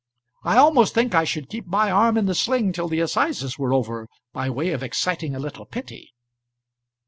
I almost think I should keep my arm in the sling till the assizes were over, by way of exciting a little pity."